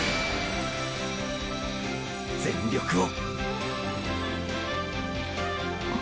全力を！